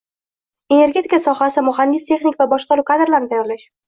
energetika sohasida muhandis-texnik va boshqaruv kadrlarini tayyorlash